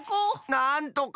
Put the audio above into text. なんとか。